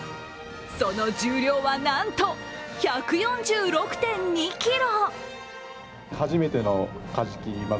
その重量はなんと１４６．２ｋｇ。